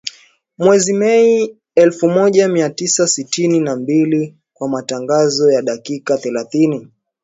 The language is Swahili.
Mwezi Mei elfu moja mia tisa sitini na mbili kwa matangazo ya dakika thelathini